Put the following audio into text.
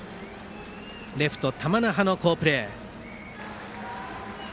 レフト玉那覇の好プレー。